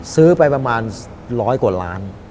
ซื้อไปประมาณร้อยกว่าล้าน